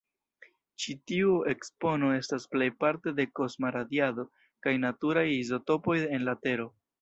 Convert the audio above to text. Ĉi tiu ekspono estas plejparte de kosma radiado kaj naturaj izotopoj en la Tero.